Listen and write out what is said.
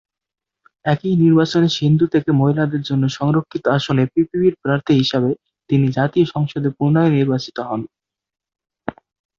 একই নির্বাচনে সিন্ধু থেকে মহিলাদের জন্য সংরক্ষিত আসনে পিপিপির প্রার্থী হিসাবে তিনি জাতীয় সংসদে পুনরায় নির্বাচিত হন।